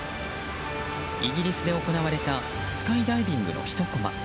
イギリスで行われたスカイダイビングのひとコマ。